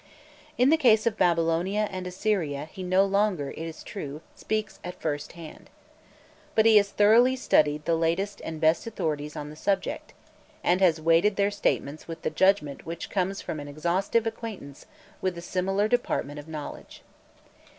In the case of Babylonia and Assyria he no longer, it is true, speaks at first hand. But he has thoroughly studied the latest and best authorities on the subject, and has weighed their statements with the judgment which comes from an exhaustive acquaintance with a similar department of knowledge.